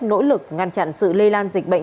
nỗ lực ngăn chặn sự lây lan dịch bệnh